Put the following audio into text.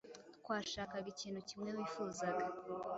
Twashakaga ikintu kimwe wifuzaga.